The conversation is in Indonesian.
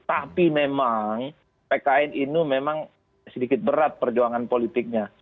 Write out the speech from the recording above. tapi memang pkn ini memang sedikit berat perjuangan politiknya